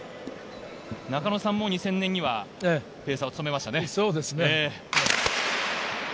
中野さんも２０００年にはペーサーを務めましたね。